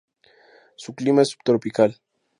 Su clima es subtropical.